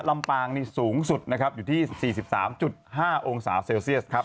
ลำปางนี่สูงสุดนะครับอยู่ที่๔๓๕องศาเซลเซียสครับ